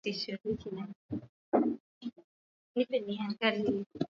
Wasafiri walioathiriwa na uamuzi huu wanaweza kurejeshewa fedha zao za tiketi